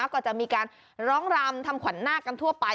ก็จะมีการร้องรำทำขวัญนาคกันทั่วไป